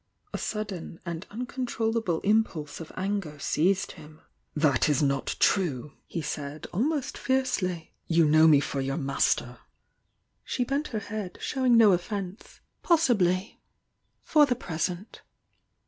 A sudden and uncontroUable impulse of anger * "That is not true!" he said, ahnost fiercely. "You know me for your master!" She bent her head, showing no offence. "Possibly! For the present."